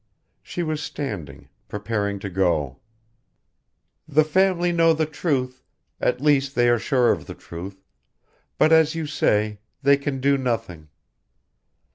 She was standing, preparing to go. "The family know the truth, at least they are sure of the truth, but, as you say, they can do nothing.